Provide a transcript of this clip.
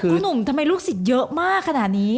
คุณหนุ่มทำไมลูกศิษย์เยอะมากขนาดนี้